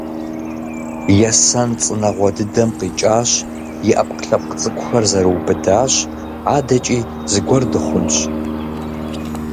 Есэн цӀынэгъуэ дыдэм къикӀащ, и Ӏэпкълъэпкъ цӀыкӀухэр зэрыубыдащ. АдэкӀи зыгуэр дыхъунщ.